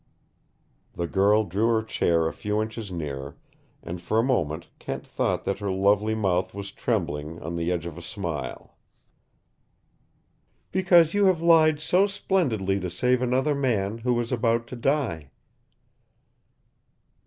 The girl drew her chair a few inches nearer, and for a moment Kent thought that her lovely mouth was trembling on the edge of a smile. "Because you have lied so splendidly to save another man who was about to die."